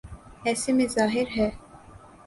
ایسے میں ظاہر ہے۔